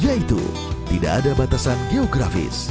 yaitu tidak ada batasan geografis